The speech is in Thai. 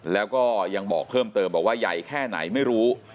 แล้วก็ยังบอกเพิ่มเติมบอกว่าใหญ่แค่ไหนไม่รู้